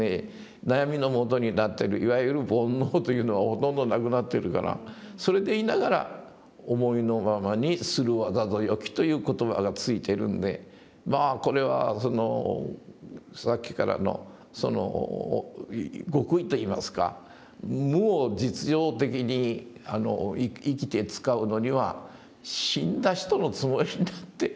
悩みのもとになってるいわゆる煩悩というのはほとんどなくなってるからそれでいながら「思いのままにするわざぞよき」という言葉が付いてるんでまあこれはさっきからのその極意といいますか無を実用的に生きて使うのには死んだ人のつもりになってやるといいのかなあと。